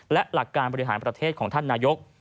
และหลักการบริหารประเทศของท่านนายก